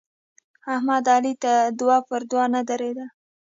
احمد علي ته دوه پر دوه نه درېدل.